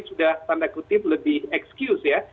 sudah tanda kutip lebih excuse ya